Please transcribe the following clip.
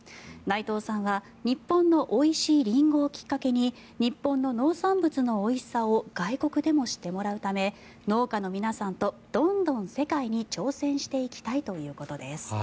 内藤さんは、日本のおいしいリンゴをきっかけに日本の農産物のおいしさを外国でも知ってもらうため農家の皆さんとどんどん世界に挑戦していきたいということです。